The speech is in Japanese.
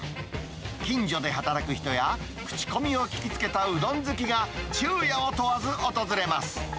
近所で働く人や、口コミを聞きつけたうどん好きが、昼夜を問わず、訪れます。